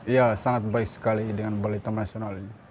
ya sangat baik sekali dengan balai taman nasional ini